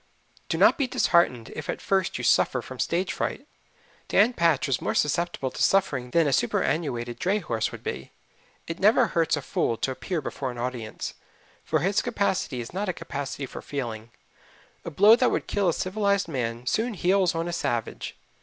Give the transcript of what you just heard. Do not be disheartened if at first you suffer from stage fright. Dan Patch was more susceptible to suffering than a superannuated dray horse would be. It never hurts a fool to appear before an audience, for his capacity is not a capacity for feeling. A blow that would kill a civilized man soon heals on a savage.